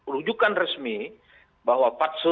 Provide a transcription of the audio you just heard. rujukan resmi bahwa